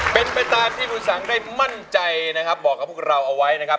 เป็นไปตามที่คุณสังได้มั่นใจนะครับบอกกับพวกเราเอาไว้นะครับ